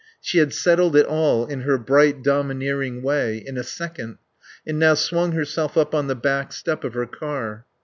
She had settled it all, in her bright, domineering way, in a second, and now swung herself up on the back step of her car.